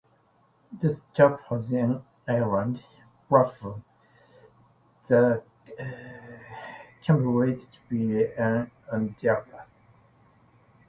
The stop has an island platform that can be reached via an underpass.